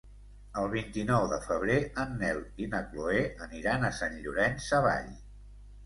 El vint-i-nou de febrer en Nel i na Chloé aniran a Sant Llorenç Savall.